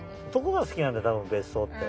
が好きなんだよ多分別荘って。